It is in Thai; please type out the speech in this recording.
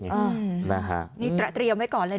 นี่เตรียมไว้ก่อนเลยนะ